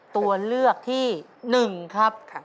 ตัวเลือกที่๑ครับ